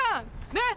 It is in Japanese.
ねっ！